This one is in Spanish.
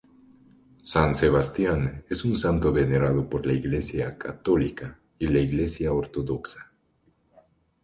San Sebastián es un santo venerado por la Iglesia Católica y la Iglesia Ortodoxa.